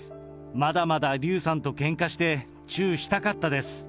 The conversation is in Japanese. まだまだ竜さんとけんかしてチューしたかったです。